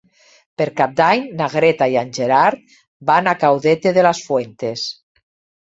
Per Cap d'Any na Greta i en Gerard van a Caudete de las Fuentes.